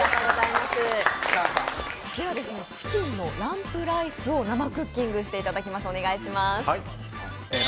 今日はチキンのランプライスを生クッキングしてもらいます。